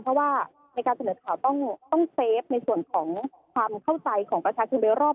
เพราะว่าในการเสนอข่าวต้องเซฟในส่วนของความเข้าใจของประชาชนโดยรอบ